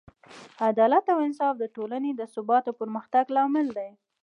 عدالت او انصاف د ټولنې د ثبات او پرمختګ لامل دی.